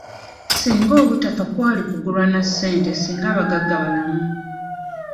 Singa obutafa kwali kugulwa na ssente singa abagagga balamu.